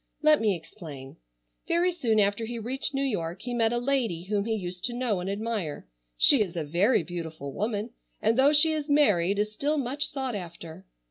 Let me explain. Very soon after he reached New York he met a lady whom he used to know and admire. She is a very beautiful woman, and though she is married is still much sought after.